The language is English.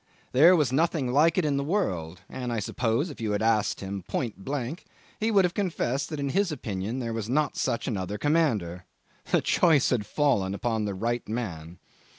There was nothing like it in the world, and I suppose if you had asked him point blank he would have confessed that in his opinion there was not such another commander. The choice had fallen upon the right man.